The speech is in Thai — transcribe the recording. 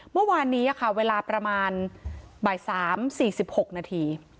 เมื่อวานนี้ค่ะเวลาประมาณบ่ายสามสี่สิบหกนาที